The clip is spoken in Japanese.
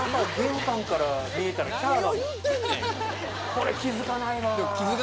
これ気付かないわ！